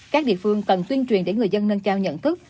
các địa phương cần tuyên truyền để người dân nâng cao nhận thức